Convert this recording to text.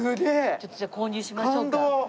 ちょっとじゃあ購入しましょうか。